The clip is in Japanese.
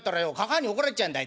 嬶に怒られちゃうんだい」。